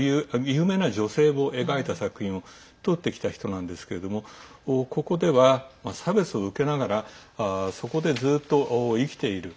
有名な女性を描いた作品を撮ってきた人なんですけれどもここでは差別を受けながらそこでずっと生きている。